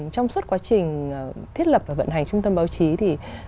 trong suốt quá trình thiết lập và vận hành trung tâm báo chí